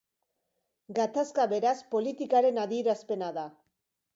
Gatazka, beraz, politikaren adierazpena da.